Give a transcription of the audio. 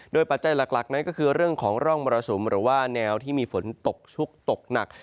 ปัจจัยหลักนั้นก็คือเรื่องของร่องมรสุมหรือว่าแนวที่มีฝนตกชุกตกหนัก